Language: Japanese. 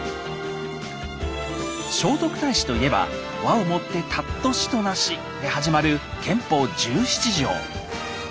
聖徳太子と言えば「和を以て貴しと為し」で始まる「憲法十七条」。